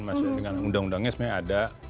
maksudnya dengan undang undangnya sebenernya ada